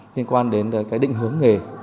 liên quan đến cái định hướng nghề